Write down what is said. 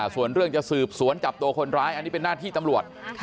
ส่วนเรื่องจะสืบสวนจับตัวคนร้ายอันนี้เป็นหน้าที่ตำรวจ